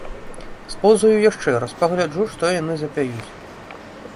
Споўзаю яшчэ раз, пагляджу, што яны запяюць.